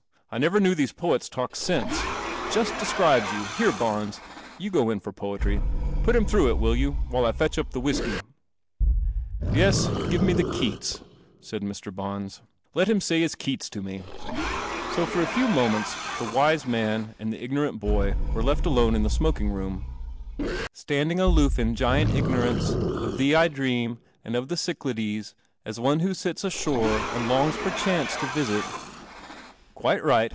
1 never knew these p >ets talked sense. Just dc . I [ere, iu go in for poetry. Put him through it, will you, while I fetch up the w hisk\ \ give me the Keats," said Mr. Huns. • I . i him sa) his Kc.it > to me." .1 lew momenta the wise man and the ignorant boy were left alone in the smoking m. u 'Sl looi in giant ignorance, ol thee I dream and of the CycladeS, as one who Mts ash nd longs perchance to visit '< J lite right.